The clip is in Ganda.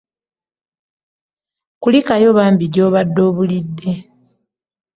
Kulikayo bambi gy'obadde obulidde.